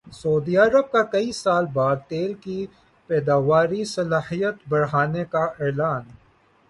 سعودی عرب کا کئی سال بعد تیل کی پیداواری صلاحیت بڑھانے کا اعلان